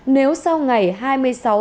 nếu sau ngày hai mươi sáu tháng năm